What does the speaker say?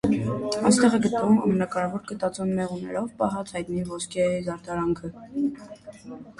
Այստեղ է գտնվում ամենակարևոր գտածոն՝ մեղուներով պահած հայտնի ոսկե զարդարանքը։